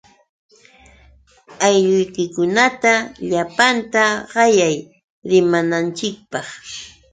Aylluykikunata llapanta qayay rimananchikpaq.